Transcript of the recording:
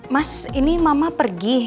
mas ini mama pergi